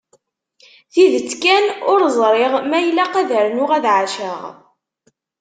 Tidet kan, ur ẓriɣ ma ilaq ad rnuɣ ad ɛaceɣ.